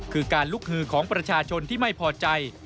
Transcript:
คือการลุกฮือของประชาชนที่ไม่พอใจ